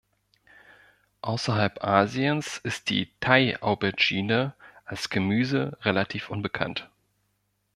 Außerhalb Asiens ist die Thai-Aubergine als Gemüse relativ unbekannt.